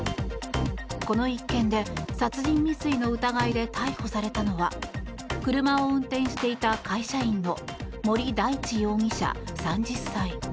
この一件で殺人未遂の疑いで逮捕されたのは車を運転していた会社員の森大地容疑者、３０歳。